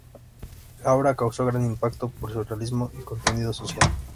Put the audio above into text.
La obra causó gran impacto por su realismo y contenido social.